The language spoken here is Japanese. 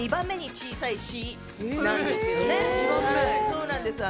そうなんですよ。